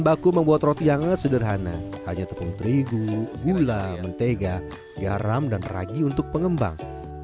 baku membuat roti anget sederhana hanya tepung terigu gula mentega garam dan ragi untuk pengembang